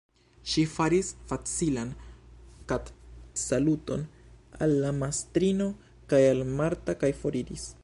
Ŝi faris facilan kapsaluton al la mastrino kaj al Marta kaj foriris.